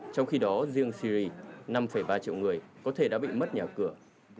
trong khi đó riêng syri năm ba triệu người có thể đã bị mất nhà cửa